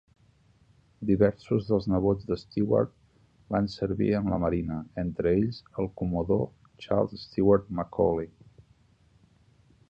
Diversos dels nebots de Stewart van servir en la Marina, entre ells el comodor Charles Stewart McCauley.